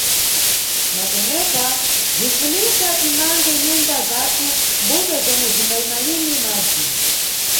Na tenepa, bzinʼfunika timange nyumba zathu mʼmbuto zomwe zimbayima lini madzi.